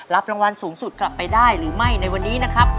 รางวัลสูงสุดกลับไปได้หรือไม่ในวันนี้นะครับ